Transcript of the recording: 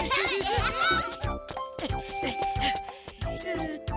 えっと。